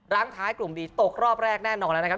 ร้างท้ายกลุ่มบีตกรอบแรกแน่นอนแล้วนะครับ